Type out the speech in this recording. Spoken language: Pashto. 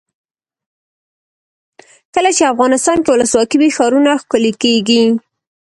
کله چې افغانستان کې ولسواکي وي ښارونه ښکلي کیږي.